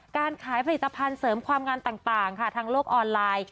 การขายผลิตภัณฑ์เสริมความงามต่างค่ะทางโลกออนไลน์